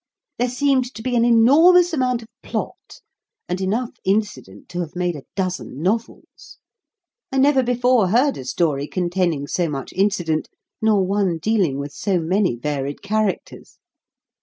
There seemed to be an enormous amount of plot, and enough incident to have made a dozen novels. I never before heard a story containing so much incident, nor one dealing with so many varied characters.